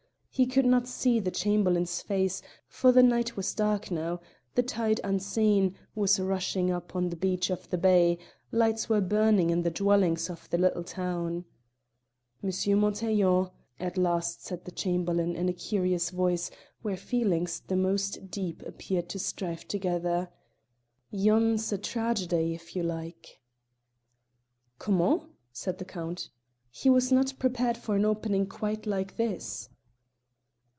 He could not see the Chamberlain's face, for the night was dark now; the tide, unseen, was running up on the beach of the bay, lights were burning in the dwellings of the little town. "M. Montaiglon," at last said the Chamberlain in a curious voice where feelings the most deep appeared to strive together, "yon's a tragedy, if you like." "Comment?" said the Count. He was not prepared for an opening quite like this.